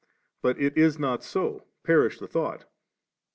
But it is not so ; perish the thought 32.